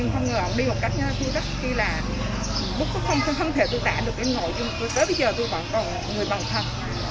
con người ổng đi một cách rất là kỳ lạ không thể tự tạ được em ngồi tới bây giờ tôi vẫn còn người bằng thân